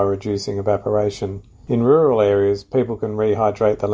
menggunakan tanah dan pelan pelan re vegetasi